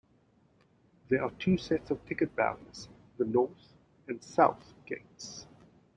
There are two sets of ticket barriers: the "north" and "south" gates.